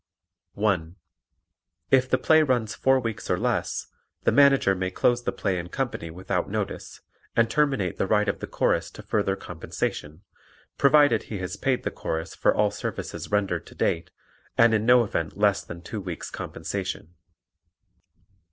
(1) If the play runs four weeks or less, the Manager may close the play and company without notice, and terminate the right of the Chorus to further compensation, provided he has paid the Chorus for all services rendered to date, and in no event less than two weeks' compensation.